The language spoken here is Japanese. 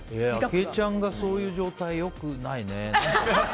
あきえちゃんがそういう状態、良くないね。